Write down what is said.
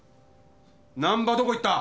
難破どこ行った？